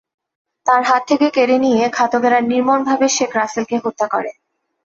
তাঁর হাত থেকে কেড়ে নিয়ে ঘাতকেরা নির্মমভাবে শেখ রাসেলকে হত্যা করে।